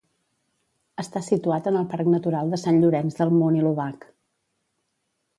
Està situat en el Parc Natural de Sant Llorenç del Munt i l'Obac.